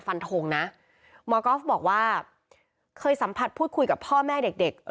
ฟันโทงนะม๊าครอฟต์บอกว่าเคยสัมผัสพูดคุยกับพ่อแม่เด็ก